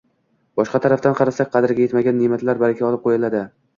Boshqa tarafdan qarasak, qadriga yetilmagan ne’matdan baraka olib qo‘yiladi.